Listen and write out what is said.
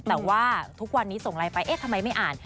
แต่ว่าทุกวันนี้ส่งไลน์ไปเอ๊ะทำไมไม่อ่าน